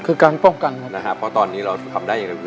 คือการป้องกันนะครับเพราะตอนนี้เราทำได้อย่างเร็ว